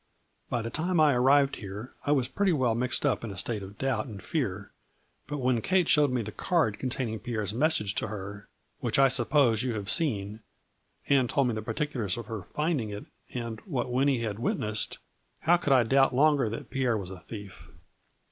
By the time I arrived here I was pretty well mixed up in a state of doubt and fear, but when Kate showed me the card containing Pierre's mes sage to her, which I suppose you have seen, and told me the particulars of her finding it and, what Winnie had witnessed, how could I doubt longer that Pierre was a thief